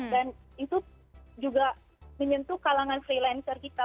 itu juga menyentuh kalangan freelancer kita